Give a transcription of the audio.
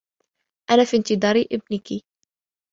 أنا في انتظار ابنِكِ.